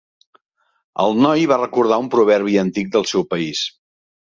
El noi va recordar un proverbi antic del seu país.